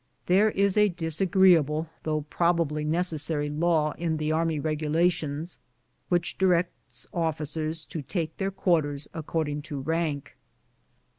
There is a disagreeable, though probably necessary law in the army regulations, which directs officers to take their quarters according to rank.